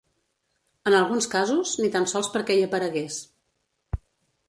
En alguns casos, ni tan sols perquè hi aparegués.